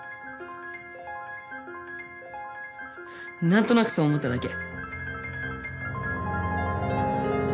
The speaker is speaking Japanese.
何となくそう思っただけ。